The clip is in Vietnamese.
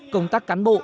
công tác cán bộ